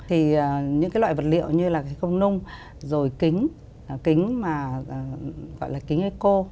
thì những loại vật liệu như là công nung rồi kính kính mà gọi là kính eco